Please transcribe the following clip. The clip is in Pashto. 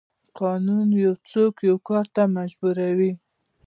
قانون یو څوک یو کار ته مجبوروي.